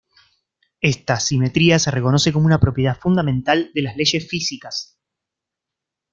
Esta simetría se reconoce como una propiedad fundamental de las leyes físicas.